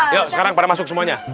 yuk sekarang pada masuk semuanya